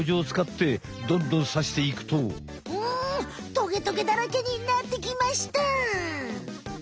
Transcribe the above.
トゲトゲだらけになってきました。